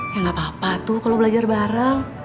ya gapapa tuh kalo belajar bareng